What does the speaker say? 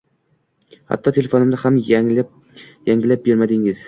Hatto telefonimni ham yangilab bermadingiz